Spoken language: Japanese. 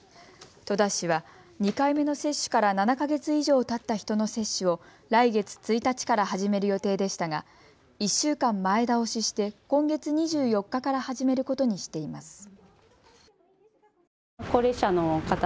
戸田市は２回目の接種から７か月以上たった人の接種を来月１日から始める予定でしたが１週間前倒しして今月２４日から始めることにしています。